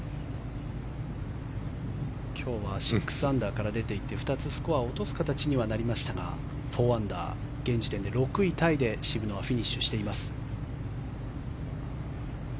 今日は６アンダーから出ていって２つスコアを落とす形にはなりましたが、４アンダー現時点で６位タイで渋野はフィニッシュしています。